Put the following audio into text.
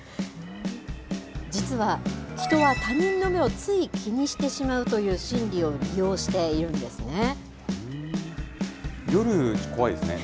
実は、人は他人の目をつい気にしてしまうという心理を利用しているんで夜、怖いですね。